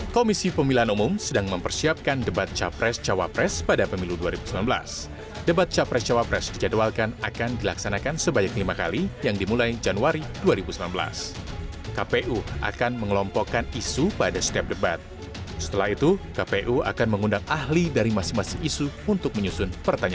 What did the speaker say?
kepala komisi pemilihan umum